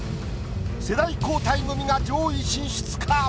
世代交代組が上位進出か？